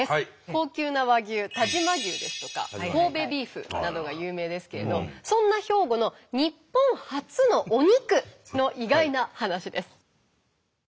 高級な和牛但馬牛ですとか神戸ビーフなどが有名ですけれどそんな兵庫の日本初のお肉の意外な話です。